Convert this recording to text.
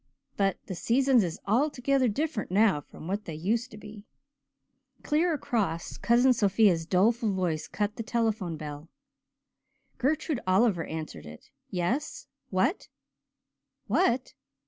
But the seasons is altogether different now from what they used to be." Clear across Cousin Sophia's doleful voice cut the telephone bell. Gertrude Oliver answered it. "Yes what? What?